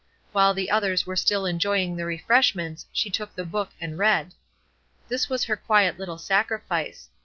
While the others were still enjoying the refreshments she took the book and read. This was her quiet little sacrifice.